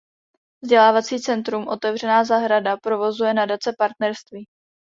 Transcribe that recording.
Vzdělávací centrum Otevřená zahrada provozuje Nadace Partnerství.